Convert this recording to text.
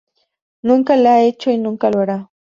Nunca lo ha hecho y nunca lo hará.